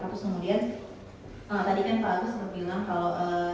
terus kemudian tadi kan pak agus udah bilang kalau